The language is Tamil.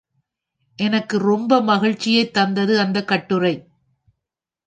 எனக்கு ரொம்ப மகிழ்ச்சியைத் தந்தது அந்தக் கட்டுரை.